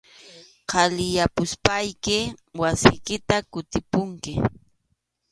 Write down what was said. Qhaliyapuspayki wasiykita kutipunki.